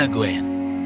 tunggu dimana gwen